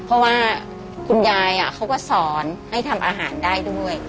เพราะว่าคุณยายเขาก็สอนให้ทำอาหารได้ด้วย